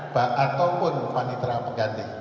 bahkan ataupun panitra pengganti